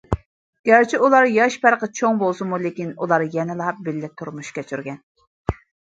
گەرچە ئۇلارنىڭ ياش پەرقى چوڭ بولسىمۇ لېكىن ئۇلار يەنىلا بىللە تۇرمۇش كەچۈرگەن.